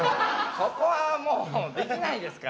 そこはできないですから。